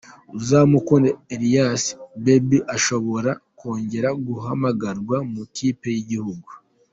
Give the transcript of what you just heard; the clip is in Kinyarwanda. Uzamukunda Elias Baby ushobora kongera guhamagarwa mu ikipe y’igihugu